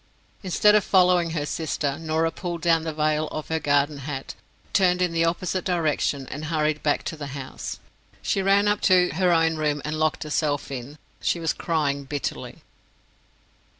Instead of following her sister, Norah pulled down the veil of her garden hat, turned in the opposite direction, and hurried back to the house. She ran up to her own room and locked herself in. She was crying bitterly.